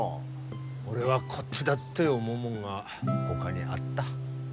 俺はこっちだって思うもんがほかにあった。